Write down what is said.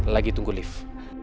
lagi tunggu lift